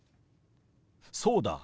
そうだ。